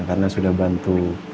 karena sudah bantu